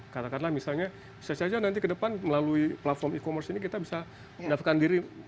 katakanlah misalnya bisa saja nanti ke depan melalui platform e commerce ini kita bisa mendaftarkan diri